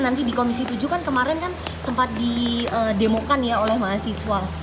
nanti di komisi tujuh kan kemarin kan sempat didemokan ya oleh mahasiswa